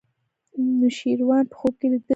نوشیروان په خوب کې لیدلی و.